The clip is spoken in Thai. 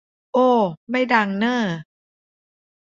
โอ้ ไม่ดังเน้อ